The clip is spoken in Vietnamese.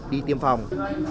đi tiêm phòng